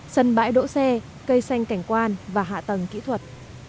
sân bãi đỗ xe cây xanh cảnh quan và hạ tầng kỹ thuật